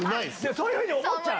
そういうふうに思っちゃう。